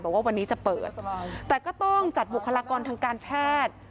บอกว่าวันนี้จะเปิดแต่ก็ต้องจัดบุคลากรทางการแพทย์